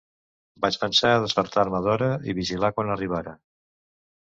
Vaig pensar a despertar-me d'hora i vigilar quan arribara.